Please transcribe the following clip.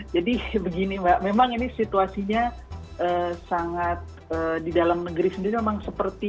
jadi begini mbak memang ini situasinya sangat di dalam negeri sendiri memang seperti